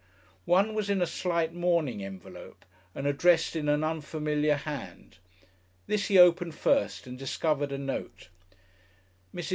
One was in a slight mourning envelope and addressed in an unfamiliar hand. This he opened first and discovered a note: MRS.